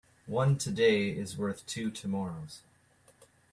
One today is worth two tomorrows.